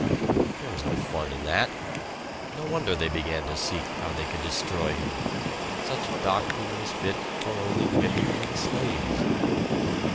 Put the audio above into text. There was no fun in that! No wonder they began to seek how they could destroy him! Such doctrine was fit for only women and slaves!